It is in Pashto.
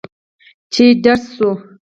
چې ډز سو.